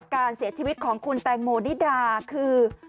การเสียชีวิตของคุณแตงโมนิดาคือ